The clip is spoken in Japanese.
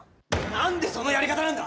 なんでそのやり方なんだ！